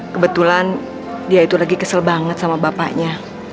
kebetulan dia itu lagi kesel banget sama bapaknya